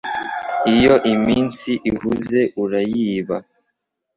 Iyo iminsi ihuze urayiba